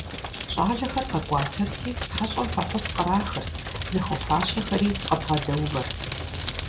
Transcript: ЩӀалэхэр къэкӀуатэрти, хьэщӀэм фӀэхъус кърахырт, зыхуэфащэхэри къыбгъэдэувэрт.